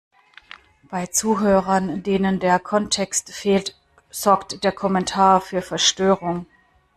Bei Zuhörern, denen der Kontext fehlt, sorgt der Kommentar für Verstörung.